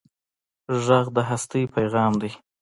غږ د هستۍ پېغام دی